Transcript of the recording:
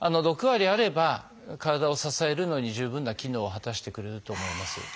６割あれば体を支えるのに十分な機能を果たしてくれると思います。